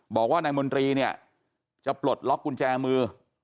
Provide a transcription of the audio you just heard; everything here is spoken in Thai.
บอกว่านายมนตรีเนี่ยจะปลดล็อกกุญแจมือ